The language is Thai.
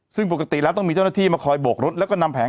ซึ่งปกติแล้วต้องมีเจ้าหน้าที่มาคอยโบกรถแล้วก็นำแผง